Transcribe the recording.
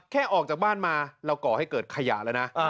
ออกจากบ้านมาเราก่อให้เกิดขยะแล้วนะ